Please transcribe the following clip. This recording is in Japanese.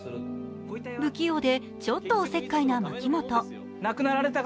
不器用でちょっとお節介な牧本。